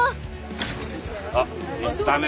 あっ行ったね。